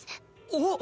おっ！